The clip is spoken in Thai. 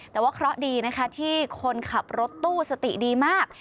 แต่ว่าเคราะห์ดีนะคะที่คนขับรถตู้สติดีมาก